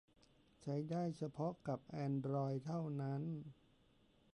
ใช้ได้เฉพาะกับแอนดรอยด์เท่านั้น